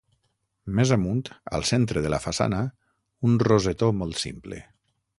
Més amunt, al centre de la façana, un rosetó molt simple.